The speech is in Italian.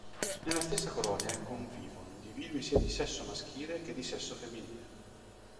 Nella stessa colonia convivono individui sia di sesso maschile che di sesso femminile.